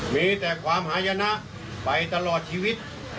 มีแต่ความหายนะไปตลอดชีวิต